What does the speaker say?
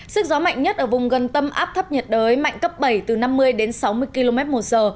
sức gió mạnh nhất ở vùng gần tâm áp thấp nhiệt đới mạnh cấp bảy từ năm mươi đến sáu mươi km một giờ